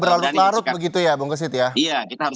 berlarut larut begitu ya bung kesit ya